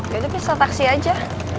yaudah bisa taksi aja